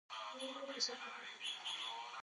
دا خيالي اتلان يوازې د سيالۍ لپاره دي.